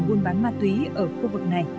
buôn bán ma túy ở khu vực này